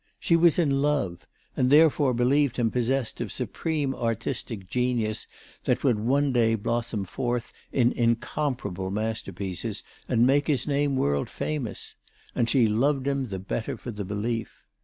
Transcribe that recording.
She was in love, and therefore believed him possessed of supreme artistic genius that would one day blossom forth in incomparable masterpieces and make his name world famous, and she loved him the better for the belief.